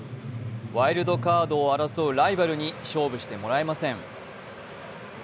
ワイルドカードを争うライバルに勝負してもらえません。